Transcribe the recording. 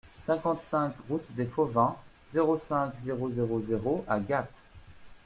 cinquante-cinq route des Fauvins, zéro cinq, zéro zéro zéro à Gap